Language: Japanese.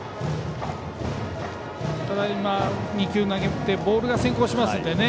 ただ、２球投げてボールが先行してますのでね。